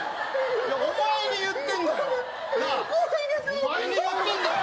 お前に言ってんだよ。